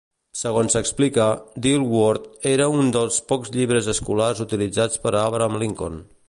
Segons s'explica, Dilworth era un dels pocs llibres escolars utilitzats per Abraham Lincoln.